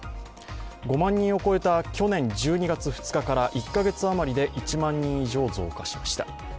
５万人を超えた去年１２月２日から１か月あまりで１万人以上増加しました。